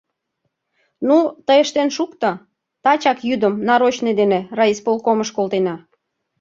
— Ну, тый ыштен шукто, тачак йӱдым нарочный дене райисполкомыш колтена.